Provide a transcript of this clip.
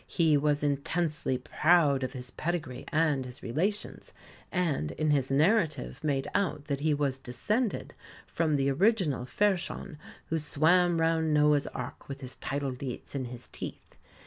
He was intensely proud of his pedigree and his relations, and in his narrative made out that he was descended from the original Fhairshon who swam round Noah's Ark with his title deeds in his teeth.